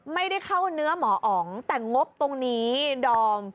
ไม่ได้เข้าเนื้อหมออ๋องแต่งบตรงนี้ดอม